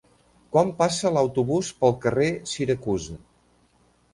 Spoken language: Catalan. Quan passa l'autobús pel carrer Siracusa?